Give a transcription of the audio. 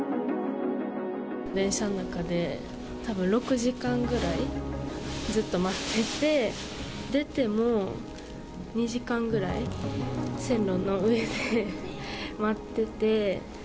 電車の中でたぶん６時間くらいずっと待ってて、出ても、２時間ぐらい線路の上で待ってて。